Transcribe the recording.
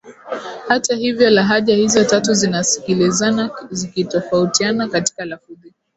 Hata hivyo lahaja hizo tatu zinasikilizana zikitofautiana katika lafudhi